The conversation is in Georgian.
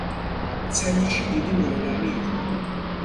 ცენტრში დიდი მოედანი იყო.